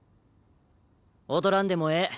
踊らんでもええ。